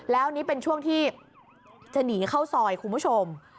แล้วนี่เป็นช่วงที่จะหนีเข้าซอยคุณผู้ชม